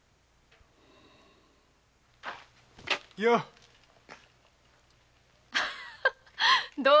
よう。